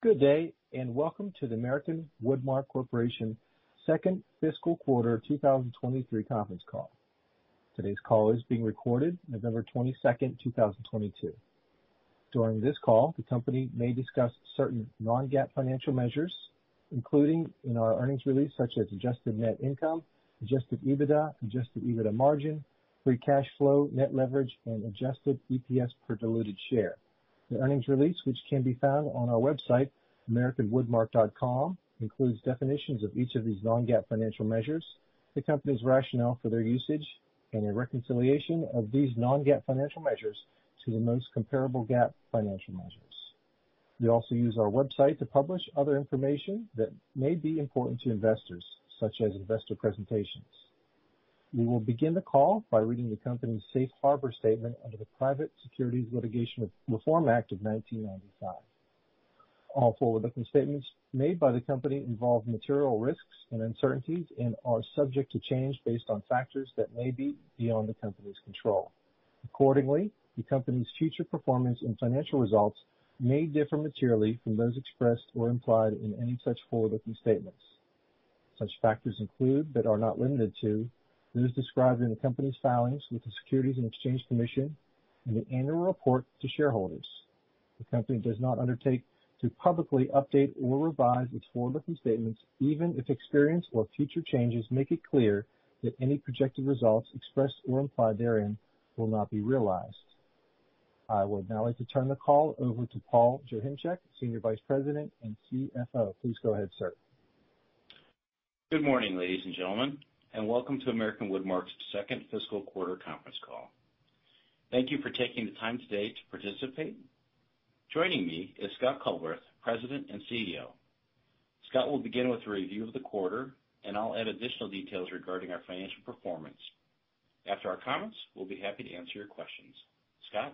Good day, welcome to the American Woodmark Corporation second fiscal quarter 2023 conference call. Today's call is being recorded November 22, 2022. During this call, the company may discuss certain non-GAAP financial measures, including in our earnings release, such as adjusted net income, adjusted EBITDA, adjusted EBITDA margin, free cash flow, net leverage, and adjusted EPS per diluted share. The earnings release, which can be found on our website, americanwoodmark.com, includes definitions of each of these non-GAAP financial measures, the company's rationale for their usage, and a reconciliation of these non-GAAP financial measures to the most comparable GAAP financial measures. We also use our website to publish other information that may be important to investors, such as investor presentations. We will begin the call by reading the company's safe harbor statement under the Private Securities Litigation Reform Act of 1995. All forward-looking statements made by the company involve material risks and uncertainties and are subject to change based on factors that may be beyond the company's control. Accordingly, the company's future performance and financial results may differ materially from those expressed or implied in any such forward-looking statements. Such factors include, but are not limited to, those described in the company's filings with the Securities and Exchange Commission in the annual report to shareholders. The company does not undertake to publicly update or revise its forward-looking statements, even if experience or future changes make it clear that any projected results expressed or implied therein will not be realized. I would now like to turn the call over to Paul Joachimczyk, Senior Vice President and CFO. Please go ahead, sir. Good morning, ladies and gentlemen, and welcome to American Woodmark's second fiscal quarter conference call. Thank you for taking the time today to participate. Joining me is Scott Culbreth, President and CEO. Scott will begin with a review of the quarter, and I'll add additional details regarding our financial performance. After our comments, we'll be happy to answer your questions. Scott?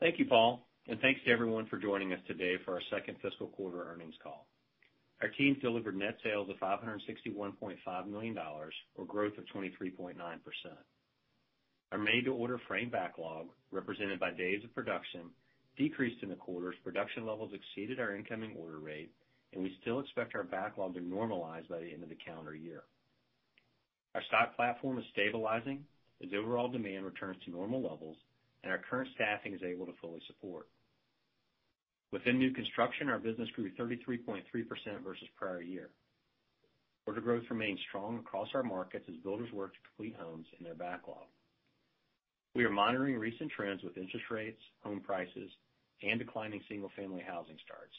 Thank you, Paul. Thanks to everyone for joining us today for our second fiscal quarter earnings call. Our team delivered net sales of $561.5 million, or growth of 23.9%. Our made-to-order frame backlog, represented by days of production, decreased in the quarter as production levels exceeded our incoming order rate. We still expect our backlog to normalize by the end of the calendar year. Our stock platform is stabilizing as overall demand returns to normal levels and our current staffing is able to fully support. Within new construction, our business grew 33.3% versus prior year. Order growth remained strong across our markets as builders work to complete homes in their backlog. We are monitoring recent trends with interest rates, home prices, and declining single-family housing starts.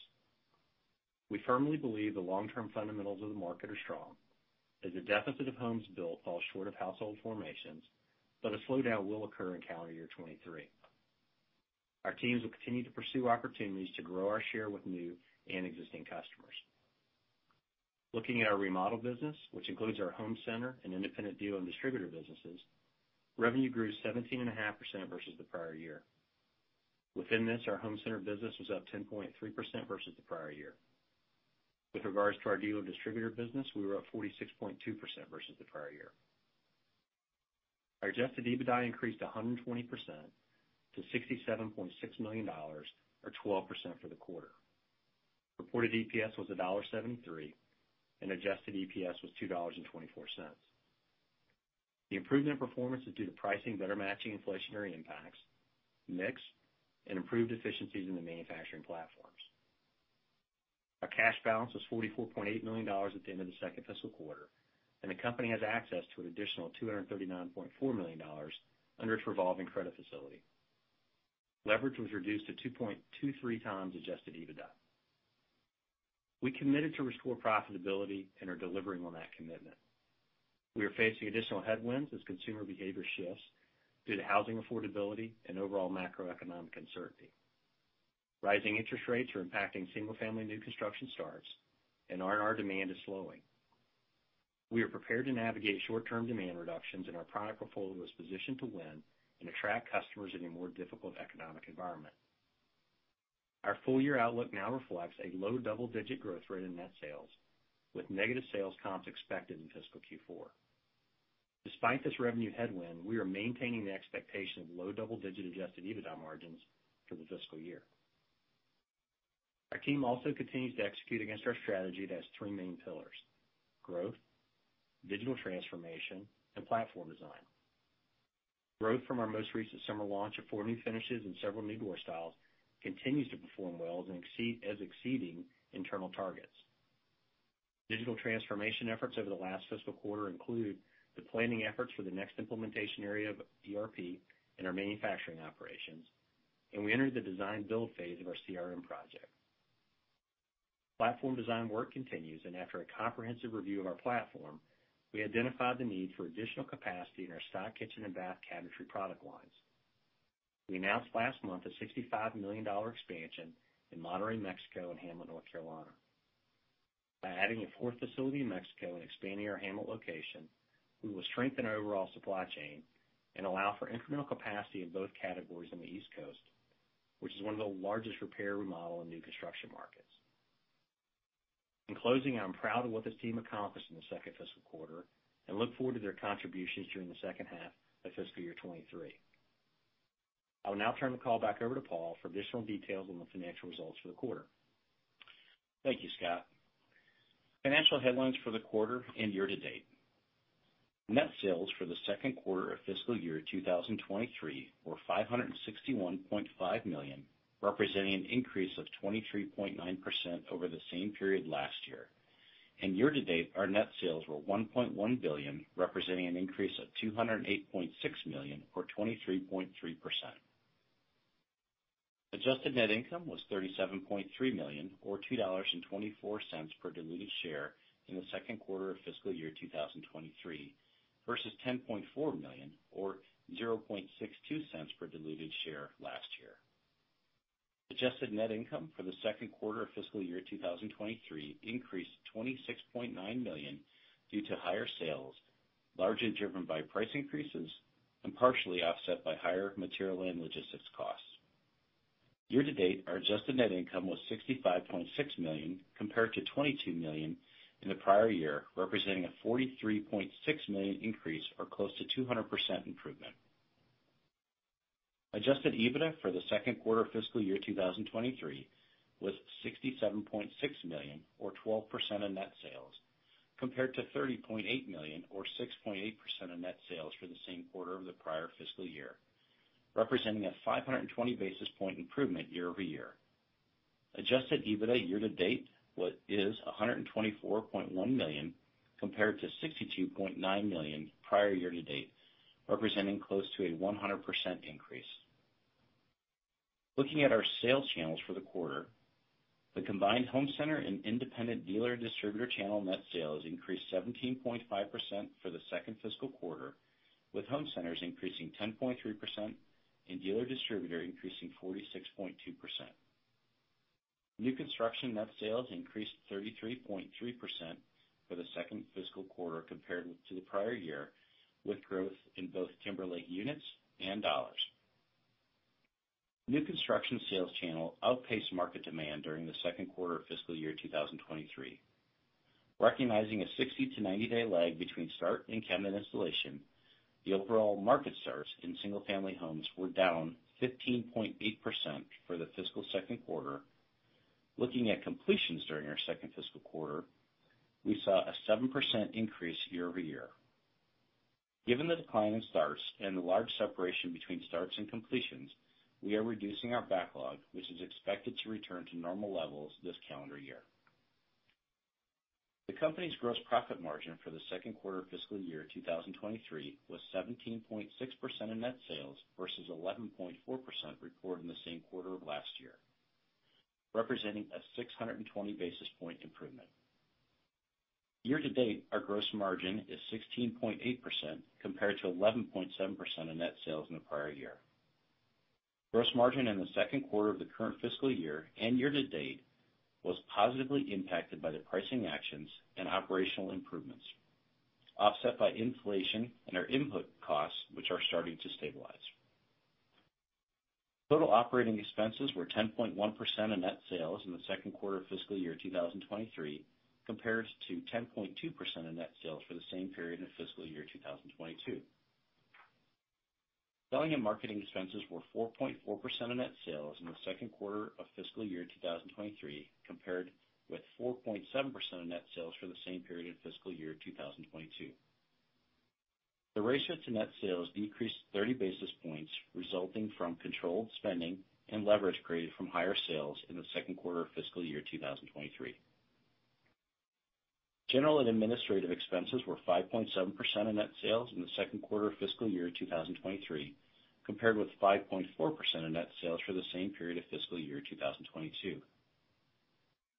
We firmly believe the long-term fundamentals of the market are strong as the deficit of homes built falls short of household formations. A slowdown will occur in calendar year 2023. Our teams will continue to pursue opportunities to grow our share with new and existing customers. Looking at our remodel business, which includes our home center and independent dealer and distributor businesses, revenue grew 17.5% versus the prior year. Within this, our home center business was up 10.3% versus the prior year. With regards to our dealer distributor business, we were up 46.2% versus the prior year. Our Adjusted EBITDA increased 120% to $67.6 million, or 12% for the quarter. Reported EPS was $1.73. Adjusted EPS was $2.24. The improvement in performance is due to pricing better matching inflationary impacts, mix, and improved efficiencies in the manufacturing platforms. Our cash balance was $44.8 million at the end of the second fiscal quarter, and the company has access to an additional $239.4 million under its revolving credit facility. Leverage was reduced to 2.23x Adjusted EBITDA. We committed to restore profitability and are delivering on that commitment. We are facing additional headwinds as consumer behavior shifts due to housing affordability and overall macroeconomic uncertainty. Rising interest rates are impacting single-family new construction starts and RR demand is slowing. We are prepared to navigate short-term demand reductions, and our product portfolio is positioned to win and attract customers in a more difficult economic environment. Our full-year outlook now reflects a low double-digit growth rate in net sales with negative sales comps expected in fiscal Q4. Despite this revenue headwind, we are maintaining the expectation of low double-digit Adjusted EBITDA margins for the fiscal year. Our team also continues to execute against our strategy that has three main pillars: Growth, Digital Transformation, and Platform Design. Growth from our most recent summer launch of four new finishes and several new door styles continues to perform well as exceeding internal targets. Digital Transformation efforts over the last fiscal quarter include the planning efforts for the next implementation area of ERP in our manufacturing operations, and we entered the design build phase of our CRM project. Platform Design work continues, and after a comprehensive review of our platform, we identified the need for additional capacity in our stock kitchen and bath cabinetry product lines. We announced last month a $65 million expansion in Monterrey, Mexico, and Hamlet, North Carolina. By adding a fourth facility in Mexico and expanding our Hamlet location, we will strengthen our overall supply chain and allow for incremental capacity in both categories on the East Coast, which is one of the largest repair, remodel, and new construction markets. In closing, I'm proud of what this team accomplished in the second fiscal quarter and look forward to their contributions during the second half of fiscal year 2023. I will now turn the call back over to Paul for additional details on the financial results for the quarter. Thank you, Scott. Financial headlines for the quarter and year-to-date. Net sales for the second quarter of fiscal year 2023 were $561.5 million, representing an increase of 23.9% over the same period last year. Year-to-date, our net sales were $1.1 billion, representing an increase of $208.6 million or 23.3%. Adjusted net income was $37.3 million, or $2.24 per diluted share in the second quarter of fiscal year 2023 versus $10.4 million or $0.62 per diluted share last year. Adjusted net income for the second quarter of fiscal year 2023 increased $26.9 million due to higher sales, largely driven by price increases and partially offset by higher material and logistics costs. Year-to-date, our adjusted net income was $65.6 million compared to $22 million in the prior year, representing a $43.6 million increase or close to 200% improvement. Adjusted EBITDA for the second quarter of fiscal year 2023 was $67.6 million or 12% of net sales, compared to $30.8 million or 6.8% of net sales for the same quarter of the prior fiscal year, representing a 520 basis point improvement year-over-year. Adjusted EBITDA year-to-date is $124.1 million compared to $62.9 million prior year-to-date, representing close to a 100% increase. Looking at our sales channels for the quarter, the combined home center and independent dealer distributor channel net sales increased 17.5% for the second fiscal quarter, with home centers increasing 10.3% and dealer distributor increasing 46.2%. New construction net sales increased 33.3% for the second fiscal quarter compared to the prior year, with growth in both Timberlake units and dollars. New construction sales channel outpaced market demand during the second quarter of fiscal year 2023. Recognizing a 60-90 day lag between start and cabinet installation, the overall market starts in single family homes were down 15.8% for the fiscal second quarter. Looking at completions during our second fiscal quarter, we saw a 7% increase year-over-year. Given the decline in starts and the large separation between starts and completions, we are reducing our backlog, which is expected to return to normal levels this calendar year. The company's gross profit margin for the second quarter of fiscal year 2023 was 17.6% of net sales versus 11.4% reported in the same quarter of last year, representing a 620 basis point improvement. Year-to-date, our gross margin is 16.8% compared to 11.7% of net sales in the prior year. Gross margin in the second quarter of the current fiscal year and year-to-date was positively impacted by the pricing actions and operational improvements, offset by inflation and our input costs, which are starting to stabilize. Total operating expenses were 10.1% of net sales in the second quarter of fiscal year 2023, compared to 10.2% of net sales for the same period in fiscal year 2022. Selling and marketing expenses were 4.4% of net sales in the second quarter of fiscal year 2023, compared with 4.7% of net sales for the same period in fiscal year 2022. The ratio to net sales decreased 30 basis points, resulting from controlled spending and leverage created from higher sales in the second quarter of fiscal year 2023. General and administrative expenses were 5.7% of net sales in the second quarter of fiscal year 2023, compared with 5.4% of net sales for the same period of fiscal year 2022.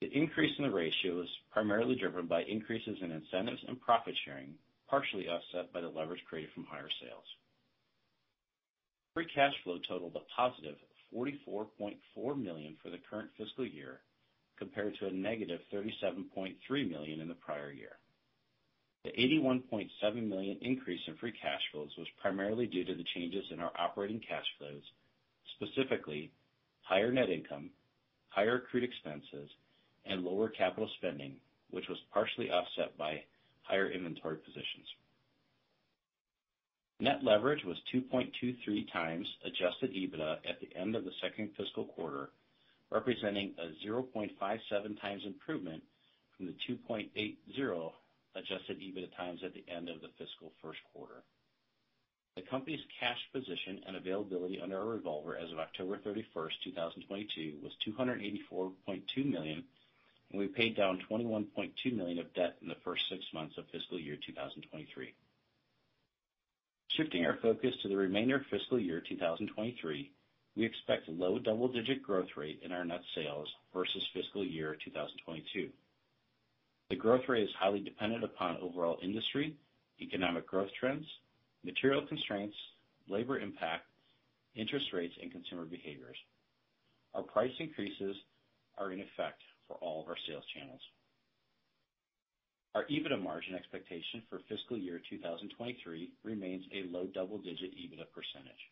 The increase in the ratio was primarily driven by increases in incentives and profit sharing, partially offset by the leverage created from higher sales. Free cash flow totaled a positive $44.4 million for the current fiscal year compared to a negative $37.3 million in the prior year. The $81.7 million increase in free cash flows was primarily due to the changes in our operating cash flows, specifically higher net income, higher accrued expenses, and lower capital spending, which was partially offset by higher inventory positions. Net leverage was 2.23x Adjusted EBITDA at the end of the second fiscal quarter, representing a 0.57x improvement from the 2.80x Adjusted EBITDA at the end of the fiscal first quarter. The company's cash position and availability under our revolver as of October 31, 2022 was $284.2 million, and we paid down $21.2 million of debt in the first six months of fiscal year 2023. Shifting our focus to the remainder of fiscal year 2023, we expect a low double-digit growth rate in our net sales versus fiscal year 2022. The growth rate is highly dependent upon overall industry, economic growth trends, material constraints, labor impact, interest rates, and consumer behaviors. Our price increases are in effect for all of our sales channels. Our Adjusted EBITDA margin expectation for fiscal year 2023 remains a low double-digit Adjusted EBITDA percentage.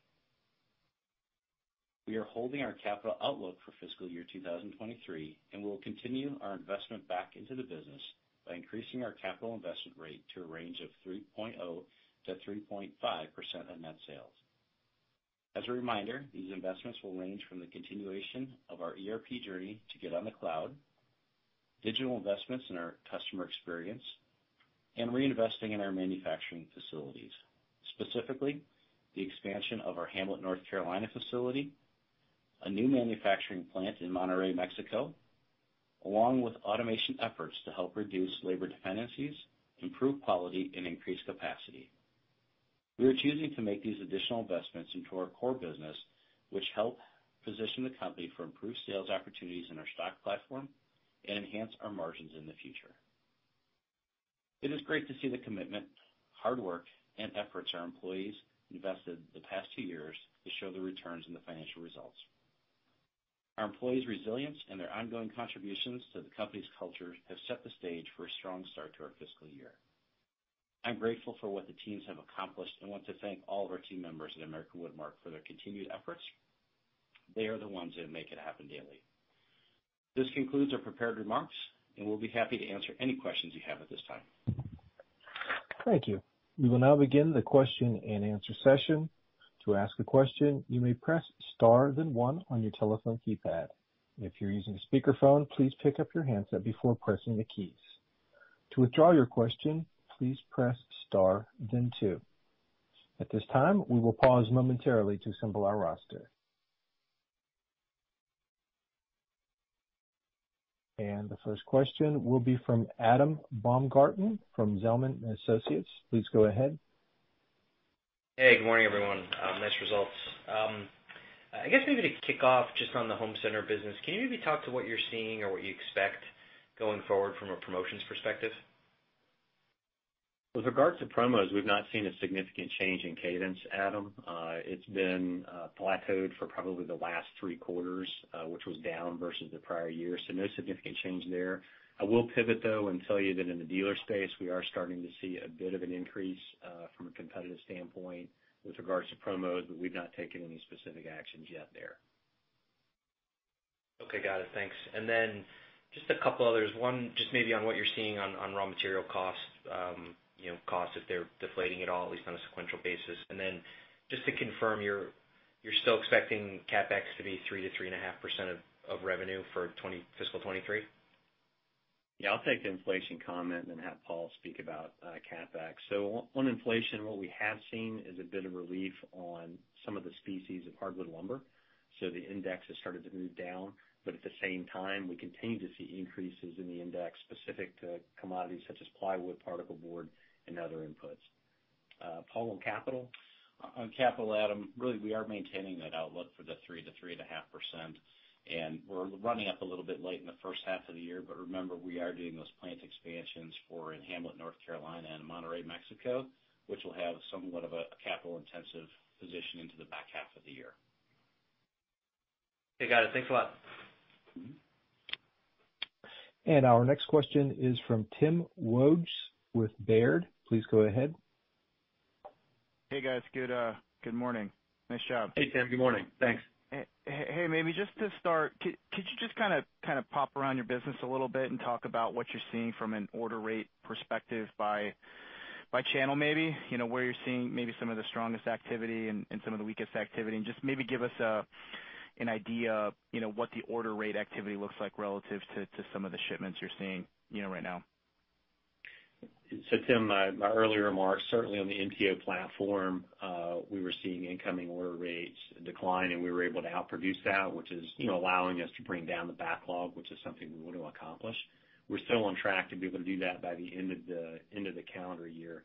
We are holding our capital outlook for fiscal year 2023. We'll continue our investment back into the business by increasing our capital investment rate to a range of 3.0%-3.5% of net sales. As a reminder, these investments will range from the continuation of our ERP journey to get on the cloud, digital investments in our customer experience, reinvesting in our manufacturing facilities, specifically the expansion of our Hamlet, North Carolina facility, a new manufacturing plant in Monterrey, Mexico, along with automation efforts to help reduce labor dependencies, improve quality and increase capacity. We are choosing to make these additional investments into our core business, which help position the company for improved sales opportunities in our stock platform and enhance our margins in the future. It is great to see the commitment, hard work, and efforts our employees invested the past two years to show the returns and the financial results. Our employees' resilience and their ongoing contributions to the company's culture have set the stage for a strong start to our fiscal year. I'm grateful for what the teams have accomplished and want to thank all of our team members at American Woodmark for their continued efforts. They are the ones that make it happen daily. This concludes our prepared remarks, and we'll be happy to answer any questions you have at this time. Thank you. We will now begin the question-and-answer session. To ask a question, you may press star then one on your telephone keypad. If you're using a speakerphone, please pick up your handset before pressing the keys. To withdraw your question, please press star then two. At this time, we will pause momentarily to assemble our roster. The first question will be from Adam Baumgarten from Zelman & Associates. Please go ahead. Hey, good morning, everyone. nice results. I guess maybe to kick off just on the home center business, can you maybe talk to what you're seeing or what you expect going forward from a promotions perspective? With regards to promos, we've not seen a significant change in cadence, Adam. It's been plateaued for probably the last three quarters, which was down versus the prior year. No significant change there. I will pivot, though, and tell you that in the dealer space, we are starting to see a bit of an increase from a competitive standpoint with regards to promos. We've not taken any specific actions yet there. Okay. Got it. Thanks. Just a couple others. One, just maybe on what you're seeing on raw material costs, you know, costs, if they're deflating at all, at least on a sequential basis. Just to confirm, you're still expecting CapEx to be 3% to 3.5% of revenue for fiscal 2023? I'll take the inflation comment and then have Paul speak about CapEx. On inflation, what we have seen is a bit of relief on some of the species of hardwood lumber, so the index has started to move down. At the same time, we continue to see increases in the index specific to commodities such as plywood, particle board, and other inputs. Paul, on capital? On capital, Adam, really we are maintaining that outlook for the 3%-3.5%, and we're running up a little bit late in the first half of the year. Remember, we are doing those plant expansions for in Hamlet, North Carolina, and Monterrey, Mexico, which will have somewhat of a capital-intensive position into the back half of the year. Okay, got it. Thanks a lot. Mm-hmm. Our next question is from Timothy Wojs with Baird. Please go ahead. Hey, guys. Good, good morning. Nice job. Hey, Tim. Good morning. Thanks. Hey, maybe just to start, could you just kinda pop around your business a little bit and talk about what you're seeing from an order rate perspective by channel maybe? You know, where you're seeing maybe some of the strongest activity and some of the weakest activity, and just maybe give us an idea, you know, what the order rate activity looks like relative to some of the shipments you're seeing, you know, right now. Tim, my earlier remarks, certainly on the NTO platform, we were seeing incoming order rates decline, and we were able to outproduce that, which is, you know, allowing us to bring down the backlog, which is something we want to accomplish. We're still on track to be able to do that by the end of the calendar year.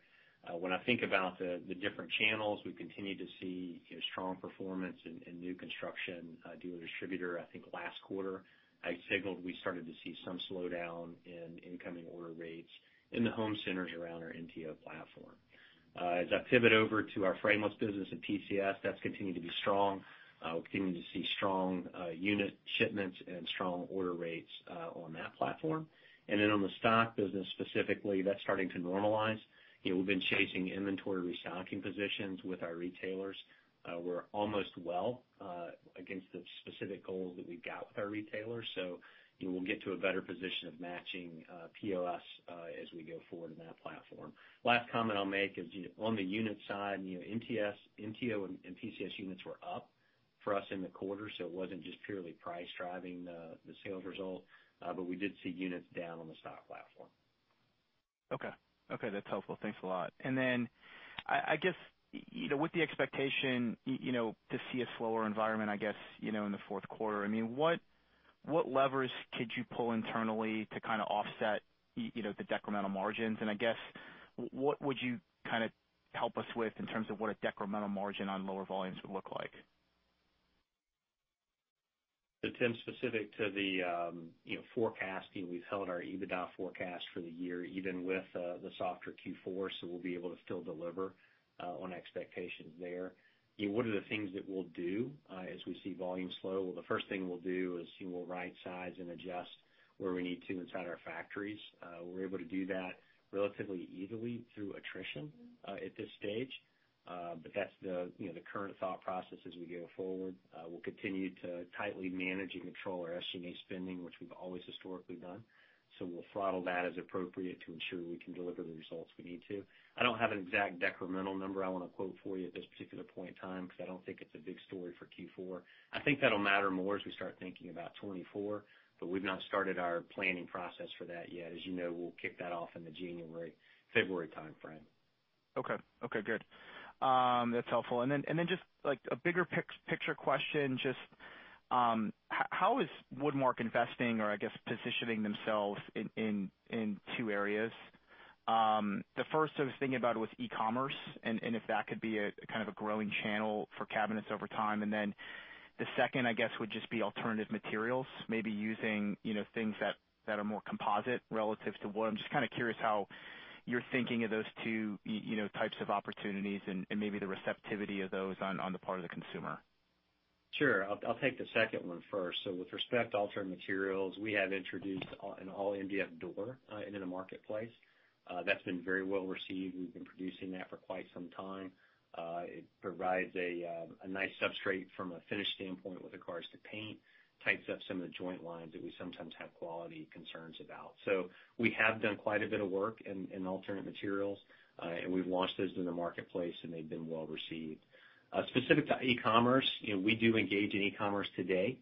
When I think about the different channels, we continue to see, you know, strong performance in new construction, dealer distributor. I think last quarter, I signaled we started to see some slowdown in incoming order rates in the home centers around our NTO platform. As I pivot over to our frameless business at PCS, that's continued to be strong. We're continuing to see strong unit shipments and strong order rates on that platform. On the stock business specifically, that's starting to normalize. You know, we've been chasing inventory restocking positions with our retailers. We're almost well against the specific goals that we've got with our retailers. You know, we'll get to a better position of matching POS as we go forward in that platform. Last comment I'll make is, you know, on the unit side, you know, NTS, NTO and PCS units were up for us in the quarter, so it wasn't just purely price driving the sales result, but we did see units down on the stock platform. Okay. Okay, that's helpful. Thanks a lot. I guess, you know, with the expectation, you know, to see a slower environment, I guess, you know, in the fourth quarter, I mean, what levers could you pull internally to kinda offset, you know, the decremental margins? I guess, what would you kinda help us with in terms of what a decremental margin on lower volumes would look like? Tim, specific to the, you know, forecast, you know, we've held our EBITDA forecast for the year, even with the softer Q4, we'll be able to still deliver on expectations there. You know, what are the things that we'll do as we see volume slow? The first thing we'll do is we will right size and adjust where we need to inside our factories. We're able to do that relatively easily through attrition at this stage. That's the, you know, the current thought process as we go forward. We'll continue to tightly manage and control our SG&A spending, which we've always historically done. We'll throttle that as appropriate to ensure we can deliver the results we need to. I don't have an exact decremental number I wanna quote for you at this particular point in time, 'cause I don't think it's a big story for Q4. I think that'll matter more as we start thinking about 2024, we've not started our planning process for that yet. As you know, we'll kick that off in the January, February timeframe. Okay. Okay, good. That's helpful. Just like a bigger picture question, just, how is Woodmark investing or, I guess, positioning themselves in two areas? The first I was thinking about was e-commerce and if that could be kind of a growing channel for cabinets over time. The second, I guess, would just be alternative materials, maybe using, you know, things that are more composite relative to wood. I'm just kind of curious how you're thinking of those two, you know, types of opportunities and maybe the receptivity of those on the part of the consumer. Sure. I'll take the second one first. With respect to alternate materials, we have introduced an all MDF door into the marketplace. That's been very well received. We've been producing that for quite some time. It provides a nice substrate from a finish standpoint with regards to paint, tights up some of the joint lines that we sometimes have quality concerns about. We have done quite a bit of work in alternate materials, and we've launched those in the marketplace, and they've been well received. Specific to e-commerce, you know, we do engage in e-commerce today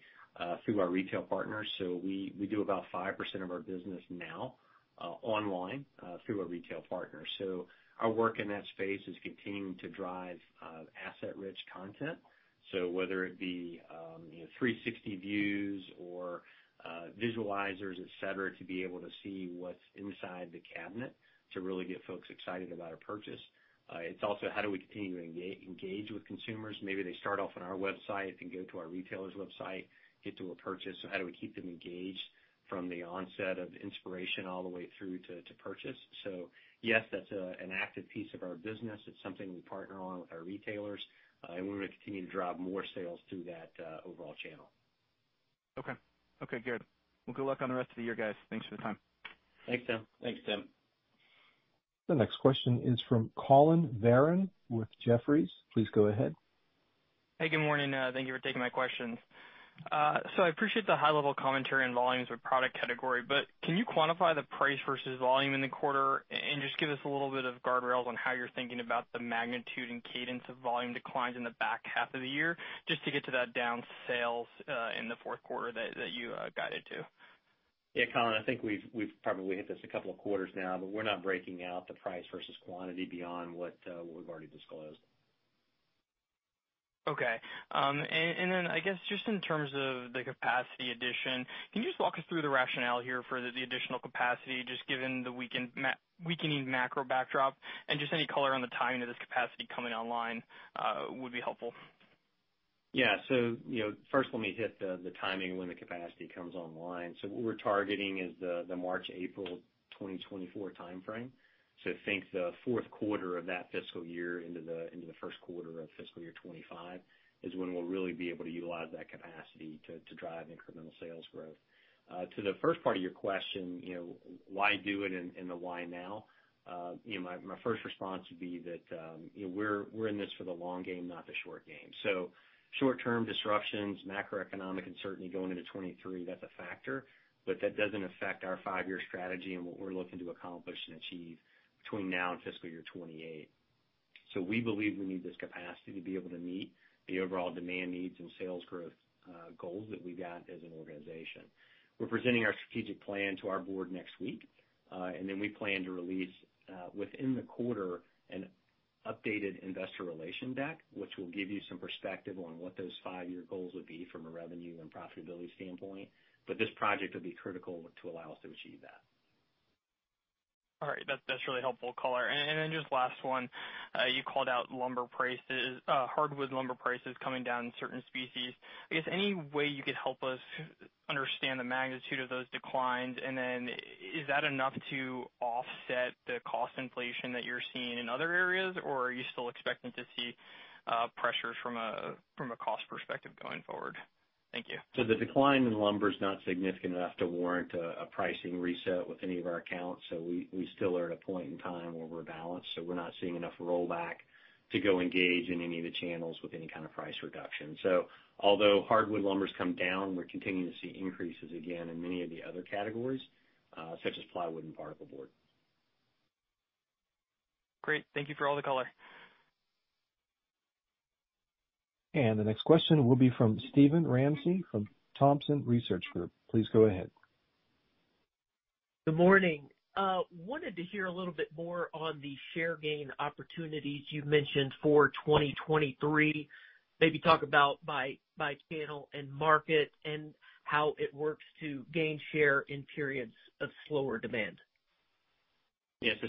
through our retail partners. We do about 5% of our business now online through our retail partners. Our work in that space is continuing to drive asset-rich content. Whether it be, you know, 360 views or visualizers, et cetera, to be able to see what's inside the cabinet to really get folks excited about a purchase. It's also how do we continue to engage with consumers. Maybe they start off on our website and go to our retailer's website, get to a purchase. How do we keep them engaged from the onset of inspiration all the way through to purchase? Yes, that's an active piece of our business. It's something we partner on with our retailers, and we're gonna continue to drive more sales through that overall channel. Okay. Okay, good. Good luck on the rest of the year, guys. Thanks for the time. Thanks, Tim. The next question is from Collin Verron with Jefferies. Please go ahead. Hey, good morning. Thank you for taking my questions. I appreciate the high level commentary on volumes or product category. Can you quantify the price versus volume in the quarter and just give us a little bit of guardrails on how you're thinking about the magnitude and cadence of volume declines in the back half of the year, just to get to that down sales in the fourth quarter that you guided to? Yeah, Collin, I think we've probably hit this a couple of quarters now, but we're not breaking out the price versus quantity beyond what we've already disclosed. Okay. Then I guess just in terms of the capacity addition, can you just walk us through the rationale here for the additional capacity, just given the weakening macro backdrop, and just any color on the timing of this capacity coming online, would be helpful? Yeah. You know, first let me hit the timing when the capacity comes online. What we're targeting is the March/April 2024 timeframe. Think the fourth quarter of that fiscal year into the first quarter of fiscal year 2025 is when we'll really be able to utilize that capacity to drive incremental sales growth. To the first part of your question, you know, why do it and the why now? You know, my first response would be that, you know, we're in this for the long game, not the short game. Short term disruptions, macroeconomic uncertainty going into 2023, that's a factor, but that doesn't affect our five-year strategy and what we're looking to accomplish and achieve between now and fiscal year 2028. We believe we need this capacity to be able to meet the overall demand needs and sales growth goals that we've got as an organization. We're presenting our strategic plan to our board next week. We plan to release within the quarter an updated investor relation deck, which will give you some perspective on what those 5-year goals would be from a revenue and profitability standpoint. This project will be critical to allow us to achieve that. All right. That's really helpful color. Just last one, you called out lumber prices, hardwood lumber prices coming down in certain species. I guess, any way you could help us understand the magnitude of those declines? Is that enough to offset the cost inflation that you're seeing in other areas, or are you still expecting to see pressures from a cost perspective going forward? Thank you. The decline in lumber is not significant enough to warrant a pricing reset with any of our accounts. We still are at a point in time where we're balanced, we're not seeing enough rollback to go engage in any of the channels with any kind of price reduction. Although hardwood lumber's come down, we're continuing to see increases again in many of the other categories, such as plywood and particle board. Great. Thank you for all the color. The next question will be from Steven Ramsey from Thompson Research Group. Please go ahead. Good morning. wanted to hear a little bit more on the share gain opportunities you've mentioned for 2023. Maybe talk about by channel and market, and how it works to gain share in periods of slower demand.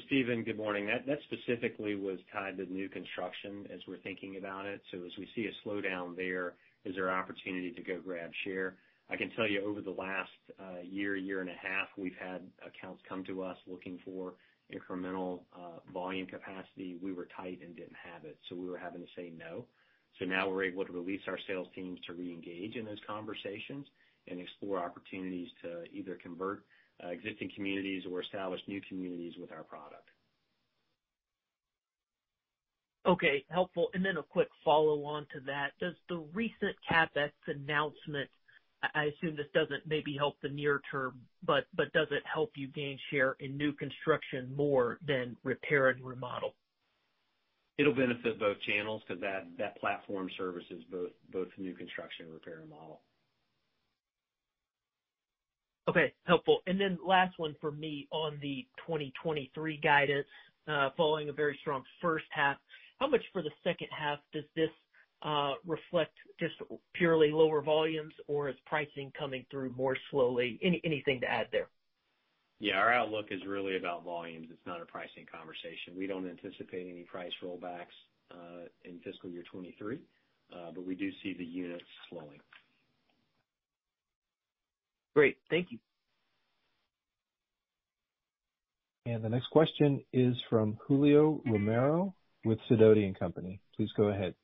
Steven, good morning. That specifically was tied to new construction as we're thinking about it. As we see a slowdown there, is there opportunity to go grab share? I can tell you over the last year and a half, we've had accounts come to us looking for incremental volume capacity. We were tight and didn't have it, we were having to say no. Now we're able to release our sales teams to reengage in those conversations and explore opportunities to either convert existing communities or establish new communities with our product. Okay, helpful. A quick follow-on to that. Does the recent CapEx announcement, I assume this doesn't maybe help the near term, but does it help you gain share in new construction more than repair and remodel? It'll benefit both channels 'cause that platform services both new construction and repair and remodel. Okay, helpful. Then last one for me on the 2023 guidance. Following a very strong first half, how much for the second half does this reflect just purely lower volumes or is pricing coming through more slowly? Anything to add there? Our outlook is really about volumes. It's not a pricing conversation. We don't anticipate any price rollbacks in fiscal year 23, but we do see the units slowing. Great. Thank you. The next question is from Julio Romero with Sidoti & Company. Please go ahead.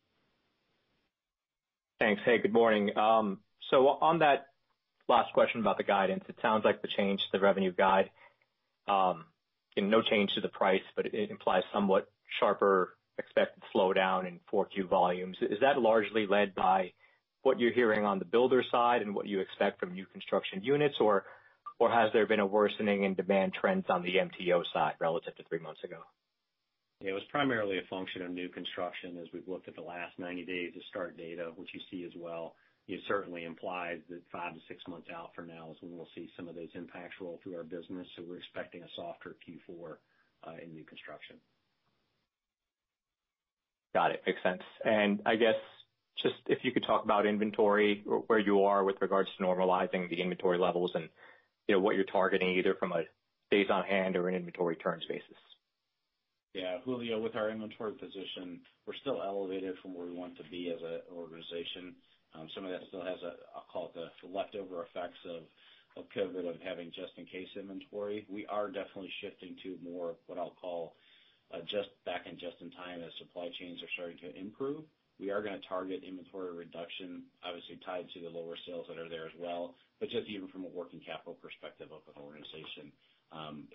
Thanks. Hey, good morning. On that last question about the guidance, it sounds like the change to the revenue guide, and no change to the price, but it implies somewhat sharper expected slowdown in 4Q volumes. Is that largely led by what you're hearing on the builder side and what you expect from new construction units? Or has there been a worsening in demand trends on the MTO side relative to 3 months ago? It was primarily a function of new construction as we've looked at the last 90 days of start data, which you see as well. It certainly implies that five-six months out from now is when we'll see some of those impacts roll through our business. We're expecting a softer Q4 in new construction. Got it. Makes sense. I guess just if you could talk about inventory, where you are with regards to normalizing the inventory levels and, you know, what you're targeting, either from a days on hand or an inventory turns basis. Yeah. Julio, with our inventory position, we're still elevated from where we want to be as a organization. Some of that still has a, I'll call it the leftover effects of COVID of having just in case inventory. We are definitely shifting to more what I'll call a just back and just in time as supply chains are starting to improve. We are gonna target inventory reduction, obviously tied to the lower sales that are there as well, but just even from a working capital perspective of the whole organization.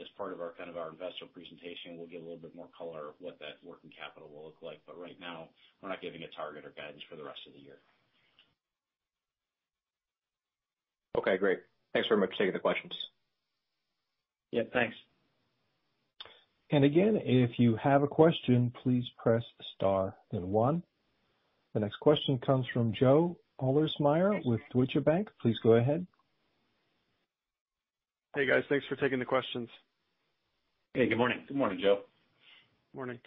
As part of our kind of our investor presentation, we'll give a little bit more color of what that working capital will look like. Right now, we're not giving a target or guidance for the rest of the year. Okay, great. Thanks very much for taking the questions. Yeah, thanks. Again, if you have a question, please press star then one. The next question comes from Joe Ahlersmeyer with Deutsche Bank. Please go ahead. Hey, guys. Thanks for taking the questions. Hey, good morning. Good morning, Joe. Morning.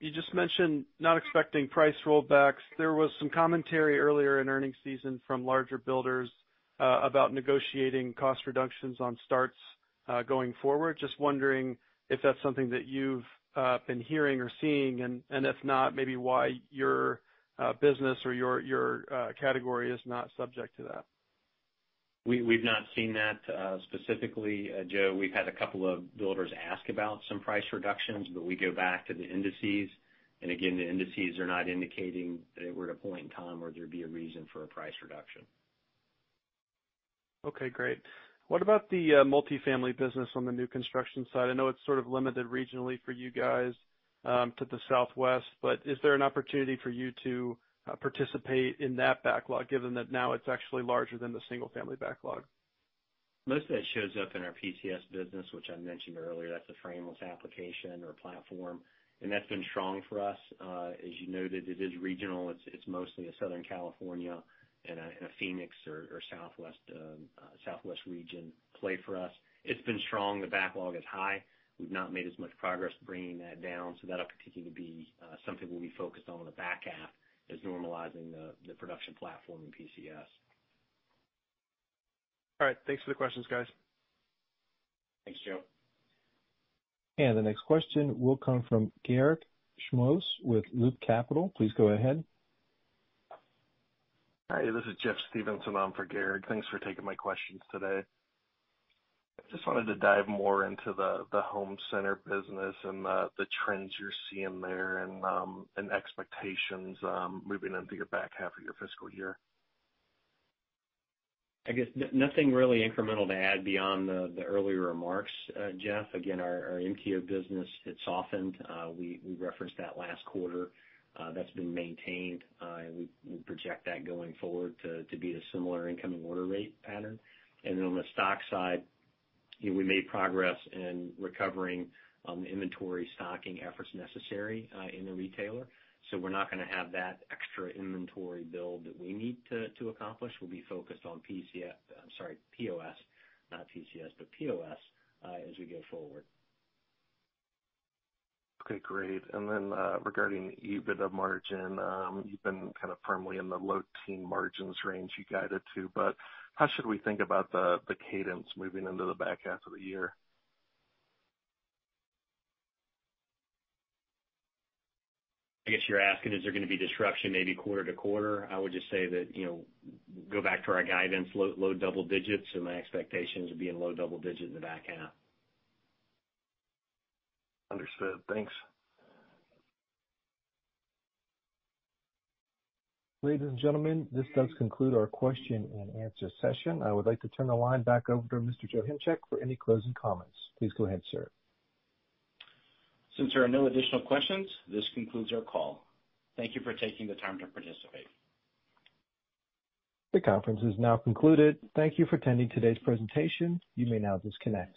You just mentioned not expecting price rollbacks. There was some commentary earlier in earnings season from larger builders, about negotiating cost reductions on starts going forward. Just wondering if that's something that you've been hearing or seeing, and if not, maybe why your business or your category is not subject to that? We've not seen that specifically, Joe. We've had a couple of builders ask about some price reductions, but we go back to the indices. Again, the indices are not indicating that it were to point in time where there'd be a reason for a price reduction. Okay, great. What about the multifamily business on the new construction side? I know it's sort of limited regionally for you guys, to the southwest. Is there an opportunity for you to participate in that backlog, given that now it's actually larger than the single-family backlog? Most of that shows up in our PCS business, which I mentioned earlier. That's a frameless application or platform. That's been strong for us. As you noted, it is regional. It's mostly a Southern California and a Phoenix or Southwest Southwest region play for us. It's been strong. The backlog is high. We've not made as much progress bringing that down. That'll particularly be something we'll be focused on in the back half, is normalizing the production platform in PCS. All right. Thanks for the questions, guys. Thanks, Joe. The next question will come from Garik Shmois with Loop Capital. Please go ahead. Hi, this is Jeff Stevenson on for Garik. Thanks for taking my questions today. I just wanted to dive more into the home center business and the trends you're seeing there and expectations moving into your back half of your fiscal year. I guess nothing really incremental to add beyond the earlier remarks, Jeff. Again, our MTO business, it softened. We referenced that last quarter. That's been maintained, and we project that going forward to be the similar incoming order rate pattern. On the stock side, you know, we made progress in recovering inventory stocking efforts necessary in the retailer. We're not gonna have that extra inventory build that we need to accomplish. We'll be focused on PCS, sorry, POS, not PCS, but POS, as we go forward. Okay, great. Regarding EBITDA margin, you've been kind of firmly in the low teen margins range you guided to, how should we think about the cadence moving into the back half of the year? I guess you're asking, is there gonna be disruption maybe quarter to quarter? I would just say that, you know, go back to our guidance, low double digits. My expectations would be in low double digits in the back half. Understood. Thanks. Ladies and gentlemen, this does conclude our question-and-answer session. I would like to turn the line back over to Mr. Scott Culbreth for any closing comments. Please go ahead, sir. Since there are no additional questions, this concludes our call. Thank you for taking the time to participate. The conference is now concluded. Thank you for attending today's presentation. You may now disconnect.